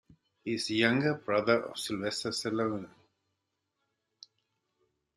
He is the younger brother of Sylvester Stallone.